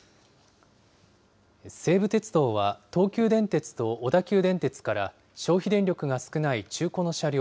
西武鉄道は、東急電鉄と小田急電鉄から、消費電力が少ない中古の車両